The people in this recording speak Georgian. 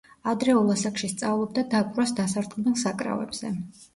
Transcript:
ადრეულ ასაკში სწავლობდა დაკვრას დასარტყმელ საკრავებზე.